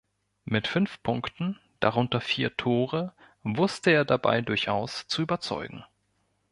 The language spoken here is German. Mit fünf Punkten, darunter vier Tore, wusste er dabei durchaus zu überzeugen.